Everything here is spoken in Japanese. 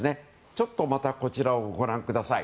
ちょっとこちらをご覧ください。